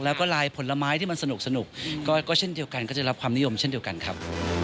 แล้วก็ลายผลไม้ที่มันสนุกก็เช่นเดียวกันก็จะรับความนิยมเช่นเดียวกันครับ